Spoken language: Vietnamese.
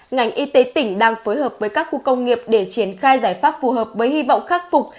ngành y tế tỉnh đang phối hợp với các khu công nghiệp để triển khai giải pháp phù hợp với hy vọng khắc phục